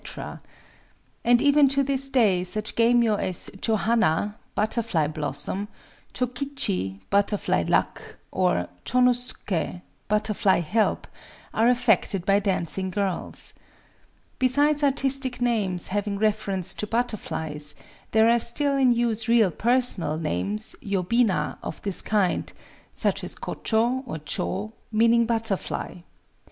And even to this day such geimyō as Chōhana ("Butterfly Blossom"), Chōkichi ("Butterfly Luck"), or Chōnosuké ("Butterfly Help"), are affected by dancing girls. Besides artistic names having reference to butterflies, there are still in use real personal names (yobina) of this kind,—such as Kochō, or Chō, meaning "Butterfly."